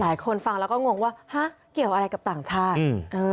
หลายคนฟังแล้วก็งวงว่าฮะเกี่ยวอะไรกับต่างชาติ